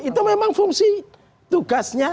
itu memang fungsi tugasnya